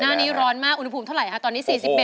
หน้านี้ร้อนมากอุณหภูมิเท่าไหร่คะตอนนี้๔๑